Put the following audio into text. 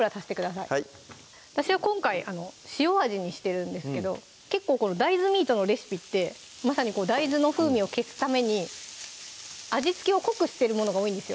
はい私は今回塩味にしてるんですけど結構この大豆ミートのレシピってまさに大豆の風味を消すために味付けを濃くしてるものが多いんですよ